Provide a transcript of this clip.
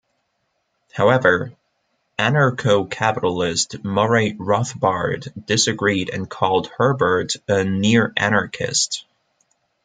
However, anarcho-capitalist Murray Rothbard disagreed and called Herbert a near-anarchist.